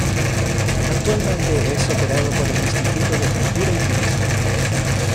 Actualmente es operado por el Instituto de Cultura y Turismo.